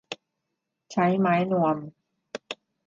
ใช้ไม้นวม